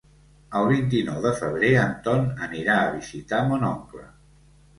El vint-i-nou de febrer en Ton anirà a visitar mon oncle.